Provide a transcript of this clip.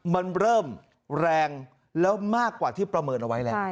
มันเริ่มแรงแล้วมากกว่าที่ประเมินเอาไว้แล้ว